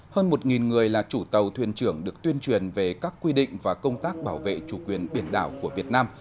hơn một người là chủ tàu thuyền trưởng được tuyên truyền về các quy định và công tác bảo vệ chủ quyền biển đảo của việt nam